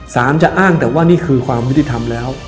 จะอ้างแต่ว่านี่คือความยุติธรรมแล้ว